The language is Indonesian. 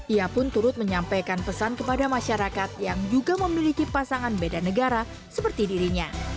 ia pun turut menyampaikan pesan kepada masyarakat yang juga memiliki pasangan beda negara seperti dirinya